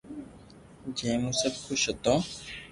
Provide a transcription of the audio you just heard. جي مون سب خوݾ ھتو